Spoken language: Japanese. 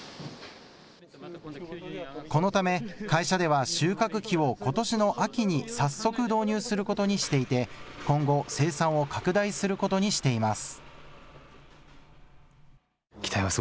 このため、会社では収穫機をことしの秋に早速、導入することにしていて今後、生産を拡大することにしています。